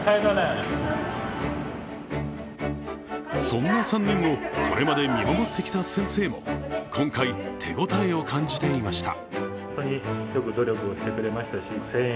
そんな３人をこれまで見守ってきた先生も今回、手応えを感じていました。